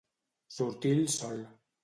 Sortir el sol.